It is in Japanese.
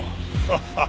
ハハハッ！